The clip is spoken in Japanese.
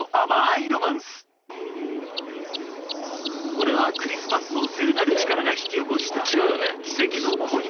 ［これはクリスマスの聖なる力が引き起こした奇跡の恋の物語］